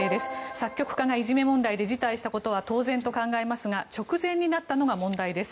作曲家がいじめ問題で辞退したことは当然と考えますが直前になったのが問題です。